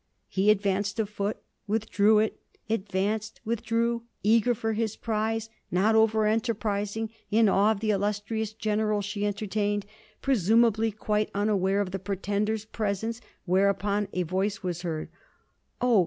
He advanced a foot, withdrew it, advanced, withdrew; eager for his prize, not over enterprising; in awe of the illustrious General she entertained presumeably quite unaware of the pretender's presence; whereupon a voice was heard: 'Oh!